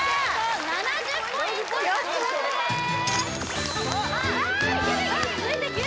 ７０ポイント獲得です・あいける！